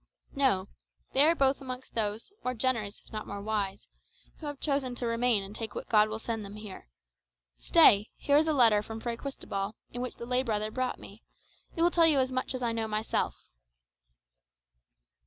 "No; they are both amongst those, more generous if not more wise, who have chosen to remain and take what God will send them here. Stay, here is a letter from Fray Cristobal which the lay brother brought me; it will tell you as much as I know myself."